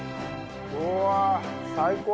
うわっ最高！